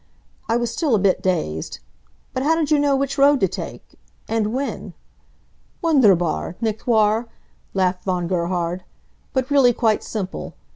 I was still a bit dazed. "But how did you know which road to take? And when " "Wunderbar, nicht wahr?" laughed Von Gerhard. "But really quite simple.